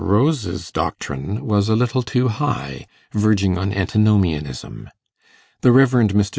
Rose's doctrine was a little too 'high', verging on antinomianism; the Rev. Mr.